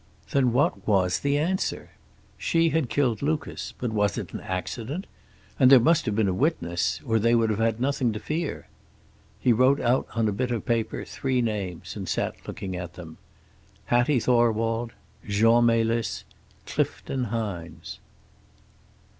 Then what was the answer? She had killed Lucas, but was it an accident? And there must have been a witness, or they would have had nothing to fear. He wrote out on a bit of paper three names, and sat looking at them: Hattie Thorwald Jean Melis Clifton Hines.